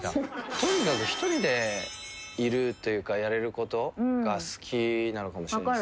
とにかく１人でいるというかやれることが好きなのかもしれないですね。